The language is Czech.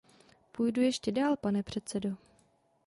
Půjdu ještě dál, pane předsedo.